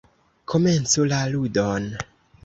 Komencu la ludon!